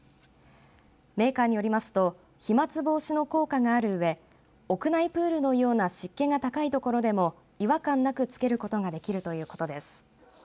メーカーによりますと飛まつ防止の効果があるうえ屋内プールのような湿気が高い所でも違和感なくつけることができるということです。